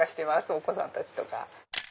お子さんたちとか。